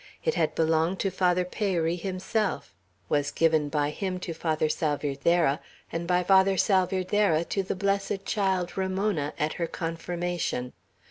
It had belonged to Father Peyri himself, was given by him to Father Salvierderra, and by Father Salvierderra to the "blessed child," Ramona, at her confirmation.